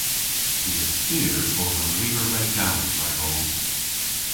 Ty a styr bos an lyver re gales ragos.